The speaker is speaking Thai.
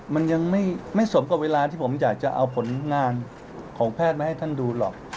มันยังไม่สมกับเวลาที่ผมอยากจะเอาผลงานของแพทย์มาให้ท่านดูหรอก